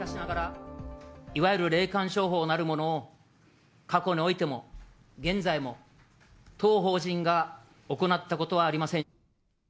いわゆる霊感商法なるものを、過去においても、現在も、当法人が行ったことはありません。